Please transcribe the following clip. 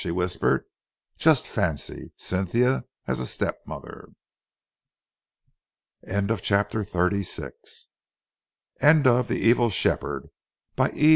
she whispered. "Just fancy Cynthia as a stepmother!" End of Project Gutenberg's The Evil Shepherd, by E.